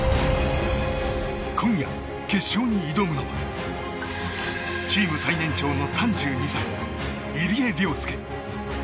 今夜、決勝に挑むのはチーム最年長の３２歳入江陵介。